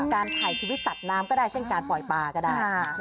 การถ่ายชีวิตสัตว์น้ำก็ได้เช่นการปล่อยปลาก็ได้